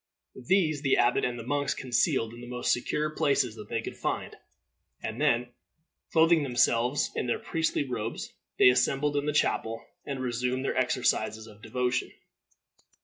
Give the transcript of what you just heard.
These the abbot and the monks concealed in the most secure places that they could find, and then, clothing themselves in their priestly robes, they assembled in the chapel, and resumed their exercises of devotion.